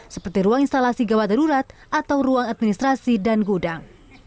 seperti ruang instalasi gawat darurat atau ruang administrasi dan gudang